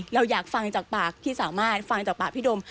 เราอยากฟังจากปากพี่สามารถฟังจากปากพี่ดม